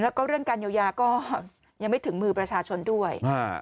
แล้วก็เรื่องการเยียวยาก็ยังไม่ถึงมือประชาชนด้วย